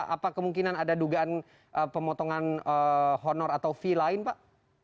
apa kemungkinan ada dugaan pemotongan honor atau fee lain pak